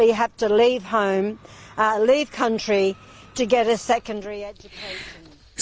maka anda mungkin harus meninggalkan rumah meninggalkan negara untuk mendapatkan pendanaan kedua